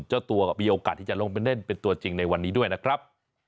เจ้าตัวก็มีโอกาสที่จะลงไปเล่นเป็นตัวจริงในวันนี้ด้วยนะครับ